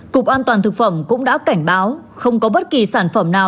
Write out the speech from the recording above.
cục an toàn thực phẩm cũng đã cảnh báo không có bất kỳ sản phẩm nào